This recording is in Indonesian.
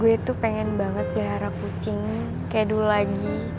gue tuh pengen banget pelihara kucing kayak dulu lagi